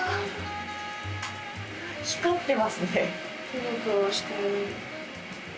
光ってますね。